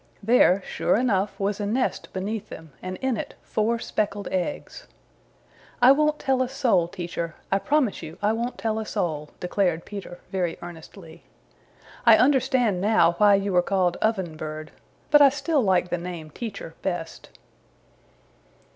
There, sure enough, was a nest beneath them, and in it four speckled eggs. "I won't tell a soul, Teacher. I promise you I won't tell a soul," declared Peter very earnestly. "I understand now why you are called Oven Bird, but I still like the name Teacher best."